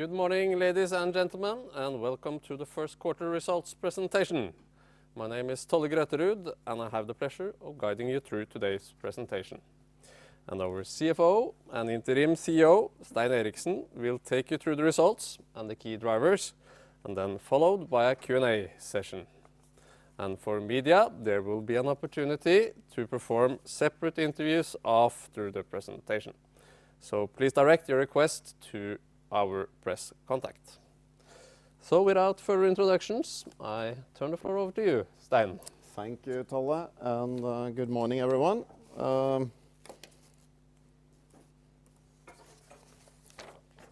Good morning, ladies and gentlemen, and welcome to the first quarter results presentation. My name is Tolle Grøterud, and I have the pleasure of guiding you through today's presentation. Our CFO and Interim CEO, Stein Eriksen, will take you through the results and the key drivers, and then followed by a Q&A session. And for media, there will be an opportunity to perform separate interviews after the presentation. So please direct your request to our press contact. So without further introductions, I turn the floor over to you, Stein. Thank you, Tolle, and good morning, everyone.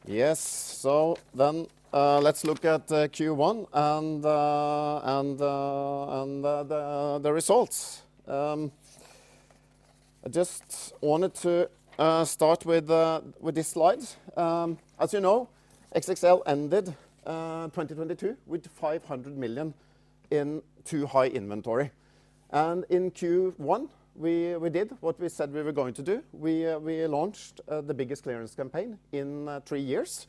Yes, so then let's look at Q1 and the results. I just wanted to start with this slide. As you know, XXL ended 2022 with 500 million in too high inventory. In Q1, we did what we said we were going to do. We launched the biggest clearance campaign in three years.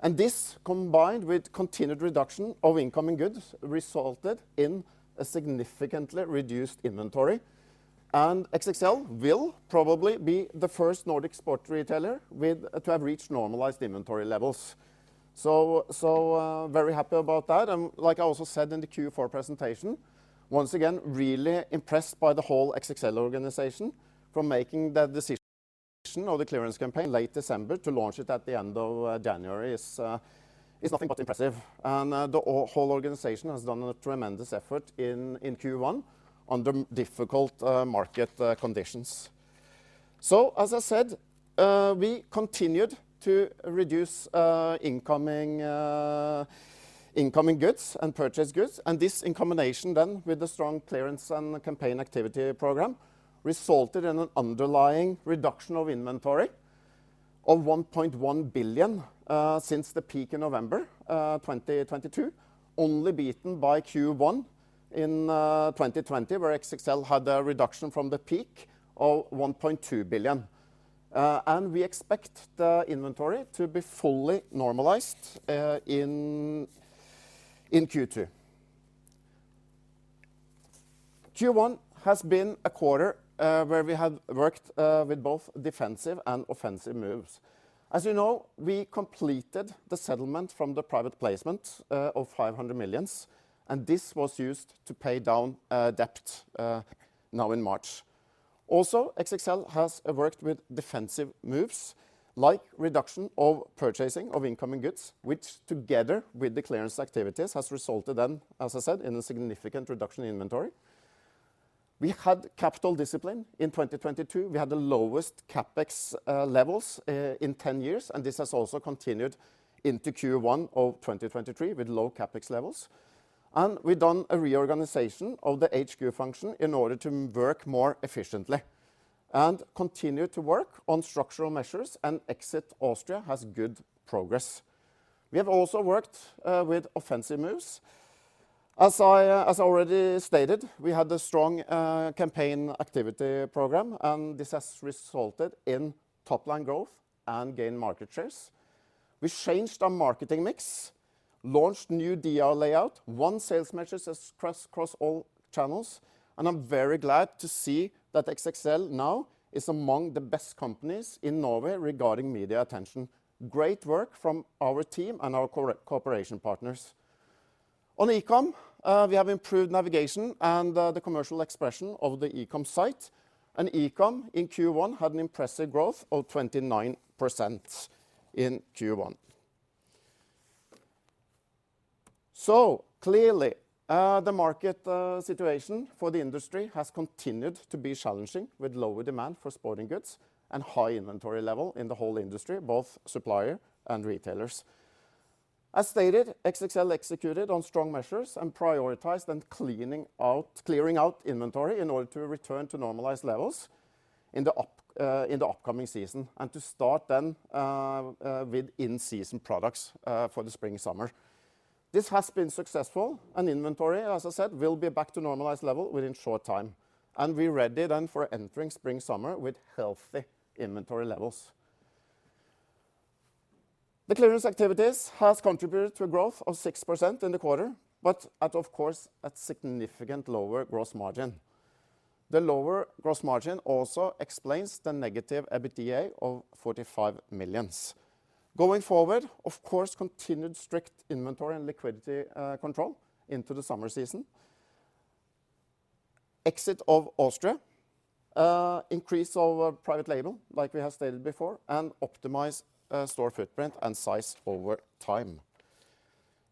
And this, combined with continued reduction of incoming goods, resulted in a significantly reduced inventory. And XXL will probably be the first Nordic sport retailer to have reached normalized inventory levels. So, very happy about that. Like I also said in the Q4 presentation, once again, really impressed by the whole XXL organization from making the decision of the clearance campaign late December to launch it at the end of January is nothing but impressive. The whole organization has done a tremendous effort in Q1 under difficult market conditions. As I said, we continued to reduce incoming goods and purchase goods, and this in combination then with the strong clearance and campaign activity program, resulted in an underlying reduction of inventory of 1.1 billion since the peak in November 2022, only beaten by Q1 in 2020, where XXL had a reduction from the peak of 1.2 billion. We expect the inventory to be fully normalized in Q2. Q1 has been a quarter where we have worked with both defensive and offensive moves. As you know, we completed the settlement from the private placement of 500 million. This was used to pay down debt now in March. XXL has worked with defensive moves like reduction of purchasing of incoming goods, which together with the clearance activities, has resulted in, as I said, in a significant reduction in inventory. We had capital discipline in 2022. We had the lowest CapEx levels in 10 years. This has also continued into Q1 of 2023 with low CapEx levels. We done a reorganization of the HQ function in order to work more efficiently and continue to work on structural measures. Exit Austria has good progress. We have also worked with offensive moves. As I already stated, we had a strong campaign activity program and this has resulted in top line growth and gain market shares. We changed our marketing mix, launched new DR layout, won sales measures across all channels. I'm very glad to see that XXL now is among the best companies in Norway regarding media attention. Great work from our team and our cooperation partners. On E-com, we have improved navigation and the commercial expression of the E-com site. E-com in Q1 had an impressive growth of 29% in Q1. clearly, the market situation for the industry has continued to be challenging with lower demand for sporting goods and high inventory level in the whole industry, both supplier and retailers. As stated, XXL executed on strong measures and prioritized on clearing out inventory in order to return to normalized levels in the upcoming season and to start then with in-season products for the spring/summer. This has been successful, inventory, as I said, will be back to normalized level within short time. We're ready then for entering spring/summer with healthy inventory levels. The clearance activities has contributed to growth of 6% in the quarter, at, of course, significant lower gross margin. The lower gross margin also explains the negative EBITDA of 45 million. Going forward, of course, continued strict inventory and liquidity control into the summer season. Exit of Austria, increase of private label, like we have stated before, optimize store footprint and size over time.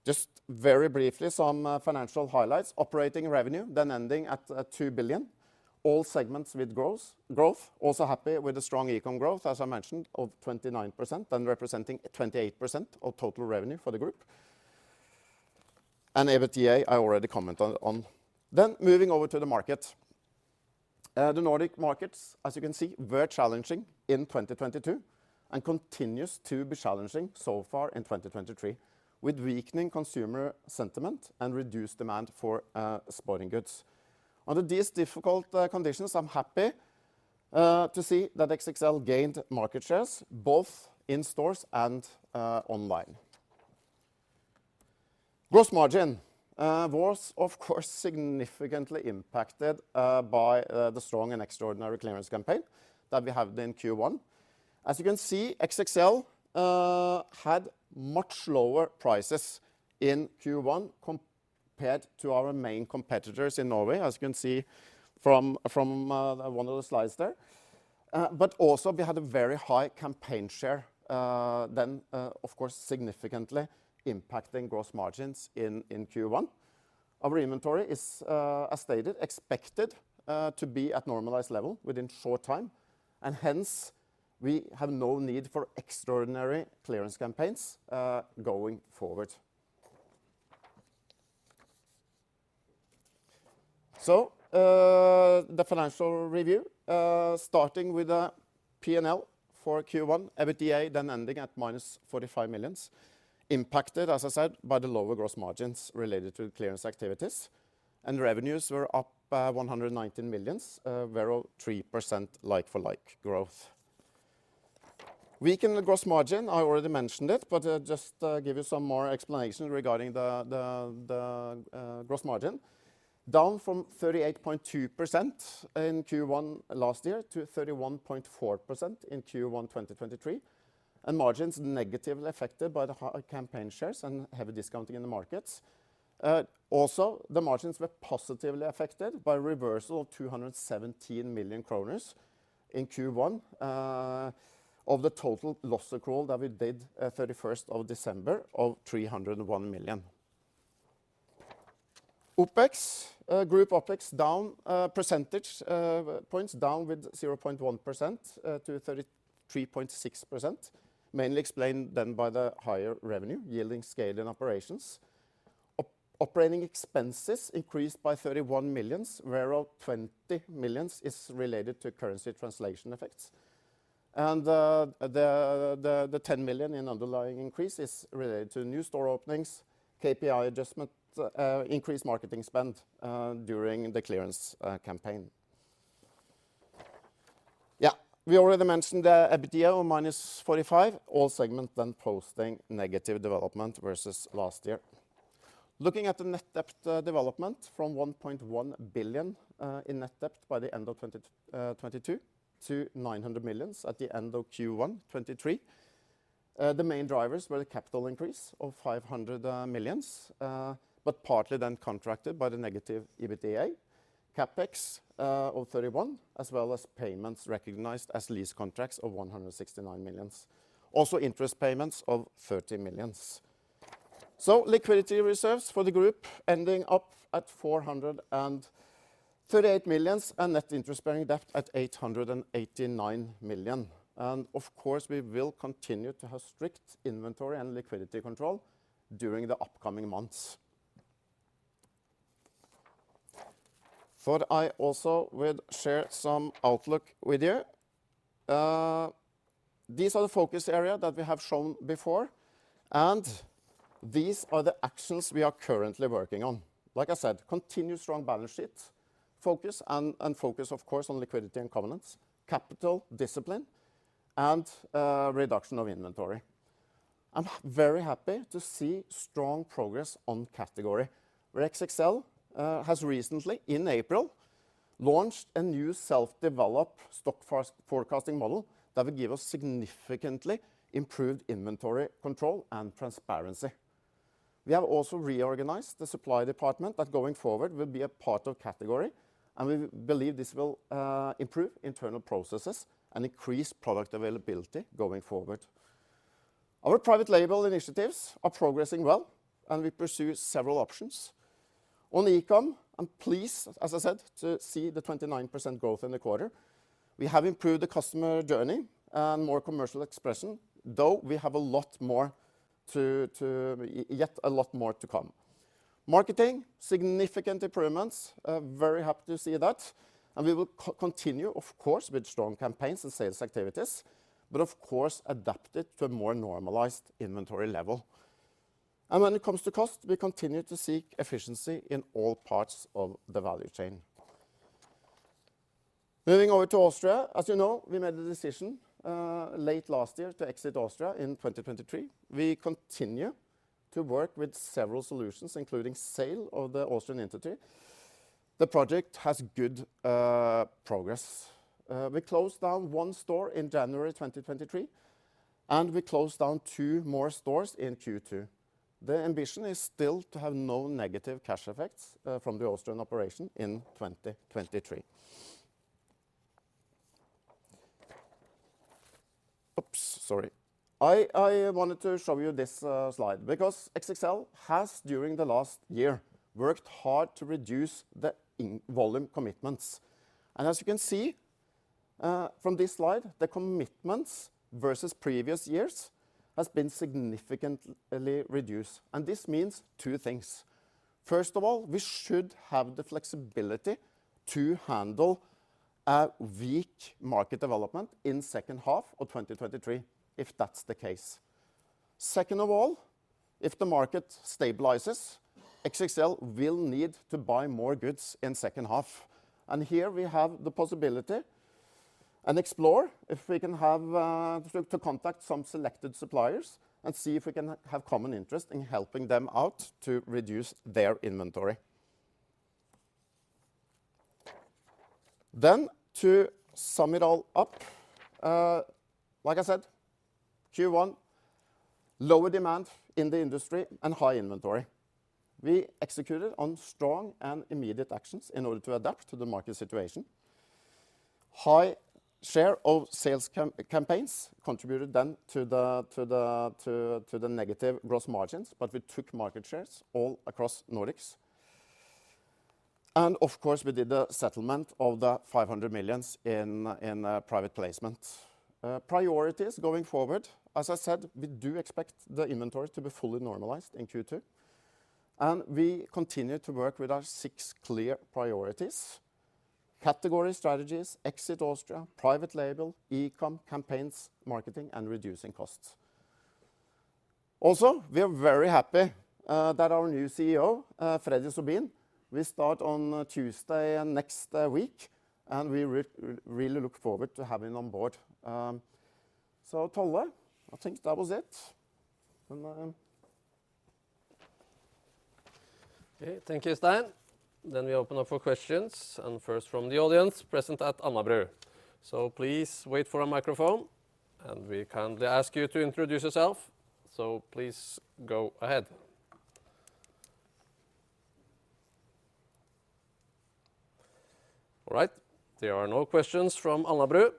Just very briefly, some financial highlights. Operating revenue ending at 2 billion. All segments with growth. Happy with the strong E-com growth, as I mentioned, of 29% and representing 28% of total revenue for the group. EBITDA I already commented on. Moving over to the market. The Nordic markets, as you can see, were challenging in 2022 and continues to be challenging so far in 2023, with weakening consumer sentiment and reduced demand for sporting goods. Under these difficult conditions, I'm happy to see that XXL gained market shares both in stores and online. Gross margin was of course significantly impacted by the strong and extraordinary clearance campaign that we had in Q1. As you can see, XXL had much lower prices in Q1 compared to our main competitors in Norway, as you can see from one of the slides there. But also we had a very high campaign share then, of course significantly impacting gross margins in Q1. Our inventory is, as stated, expected to be at normalized level within short time and hence we have no need for extraordinary clearance campaigns going forward. The financial review, starting with the P&L for Q1. EBITDA then ending at minus 45 million, impacted, as I said, by the lower gross margins related to the clearance activities. Revenues were up 119 million, were all 3% like-for-like growth. Weaken the gross margin, I already mentioned it, but just give you some more explanation regarding the gross margin. Down from 38.2% in Q1 last year to 31.4% in Q1 2023. Margins negatively affected by the high campaign shares and heavy discounting in the markets. Also, the margins were positively affected by reversal of 217 million kroner in Q1 of the total loss accrual that we did at 31st of December of 301 million. OPEX, group OPEX down percentage points down with 0.1% to 33.6%, mainly explained then by the higher revenue yielding scale in operations. Operating expenses increased by 31 million, where all 20 million is related to currency translation effects. The 10 million in underlying increase is related to new store openings, KPI adjustments, increased marketing spend during the clearance campaign. Yeah. We already mentioned the EBITDA of minus 45 million, all segment then posting negative development versus last year. Looking at the net debt development from 1.1 billion in net debt by the end of 2022 to 900 million at the end of Q1 2023. The main drivers were the capital increase of 500 million, but partly then contracted by the negative EBITDA, CapEx of 31 million, as well as payments recognized as lease contracts of 169 million. Also interest payments of 30 million. Liquidity reserves for the group ending up at 438 million and net interest-bearing debt at 889 million. Of course, we will continue to have strict inventory and liquidity control during the upcoming months. Thought I also would share some outlook with you. These are the focus areas that we have shown before, and these are the actions we are currently working on. Like I said, continuous strong balance sheet focus and focus of course on liquidity and covenants, capital discipline and reduction of inventory. I'm very happy to see strong progress on Category, where XXL has recently in April, launched a new self-developed stockout forecasting model that will give us significantly improved inventory control and transparency. We have also reorganized the Supply Department that going forward will be a part of Category, and we believe this will improve internal processes and increase product availability going forward. Our private label initiatives are progressing well, and we pursue several options. On eCom, I'm pleased, as I said, to see the 29% growth in the quarter. We have improved the customer journey and more commercial expression, though we have yet a lot more to come. Marketing, significant improvements. Very happy to see that, and we will continue, of course, with strong campaigns and sales activities, but of course adapt it to a more normalized inventory level. When it comes to cost, we continue to seek efficiency in all parts of the value chain. Moving over to Austria, as you know, we made the decision late last year to exit Austria in 2023. We continue to work with several solutions, including sale of the Austrian entity. The project has good progress. We closed down one store in January 2023, and we closed down two more stores in Q2. The ambition is still to have no negative cash effects from the Austrian operation in 2023. Oops, sorry. I wanted to show you this slide because XXL has during the last year, worked hard to reduce the in- volume commitments. As you can see from this slide, the commitments versus previous years has been significantly reduced. This means two things. First of all, we should have the flexibility to handle a weak market development in second half of 2023, if that's the case. Second of all. If the market stabilizes, XXL will need to buy more goods in second half. Here we have the possibility and explore if we can have to contact some selected suppliers and see if we can have common interest in helping them out to reduce their inventory. To sum it all up, like I said, Q1, lower demand in the industry and high inventory. We executed on strong and immediate actions in order to adapt to the market situation. High share of sales campaigns contributed then to the negative gross margins, but we took market shares all across Nordics. Of course, we did the settlement of 500 million in private placement. Priorities going forward, as I said, we do expect the inventory to be fully normalized in Q2, and we continue to work with our six clear priorities: category strategies, exit Austria, private label, eCom, campaigns, marketing, and reducing costs. Also, we are very happy that our new CEO, Freddy Sobin, will start on Tuesday next week, and we really look forward to having him on board. Tolle, I think that was it. Okay. Thank you, Stein. Then we open up for questions, and first from the audience present at Alnabru. So please wait for a microphone, and we kindly ask you to introduce yourself. Please go ahead. All right. There are no questions from Alnabru.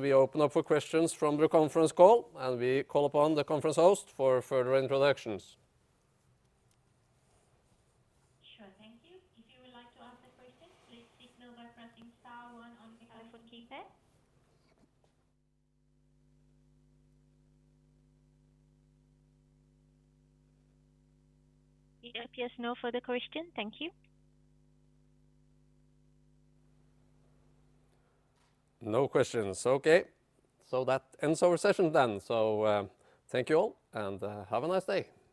We open up for questions from the conference call, and we call upon the conference host for further introductions. Sure. Thank you. If you would like to ask a question, please signal by pressing star one on your telephone keypad. It appears no further question. Thank you. No questions. Okay. That ends our session then. Thank you all, and, have a nice day.